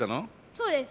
そうです。